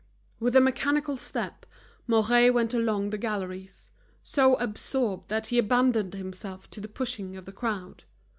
With a mechanical step, Mouret went along the galleries, so absorbed that he abandoned himself to the pushing of the crowd.